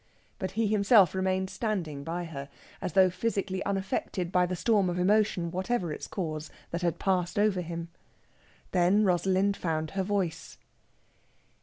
But he himself remained standing by her, as though physically unaffected by the storm of emotion, whatever its cause, that had passed over him. Then Rosalind found her voice.